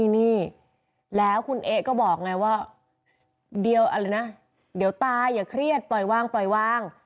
นี่แล้วคุณเอ๊ก็บอกไงว่าเดี๋ยวตายอย่าเครียดปล่อยว่าง